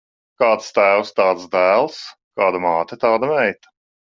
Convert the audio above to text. Kāds tēvs, tāds dēls; kāda māte, tāda meita.